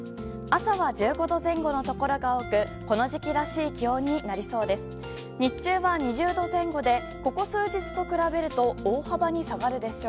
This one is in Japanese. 朝は１５度前後のところが多くこの時期らしい気温になりそうです。